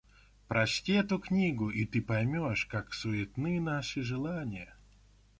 Прочти эту книгу, и ты поймешь, как суетны наши желания.